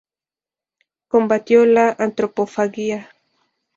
Combatió la antropofagia.